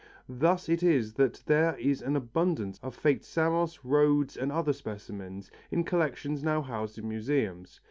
Thus it is that there is an abundance of faked Samos, Rhodes and other specimens, in collections now housed in museums.